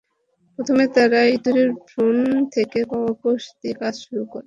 প্রথমে তাঁরা ইঁদুরের ভ্রূণ থেকে পাওয়া কোষ নিয়ে কাজ শুরু করেন।